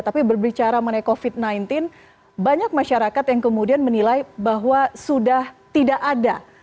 tapi berbicara mengenai covid sembilan belas banyak masyarakat yang kemudian menilai bahwa sudah tidak ada